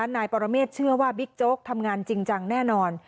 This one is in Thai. นายปรเมฆเชื่อว่าบิ๊กโจ๊กทำงานจริงจังแน่นอน